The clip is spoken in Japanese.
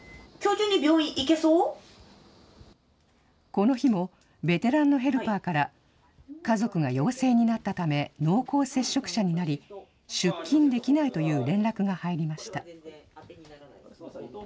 この日も、ベテランのヘルパーから、家族が陽性になったため濃厚接触者になり、出勤できないという連絡が入りました。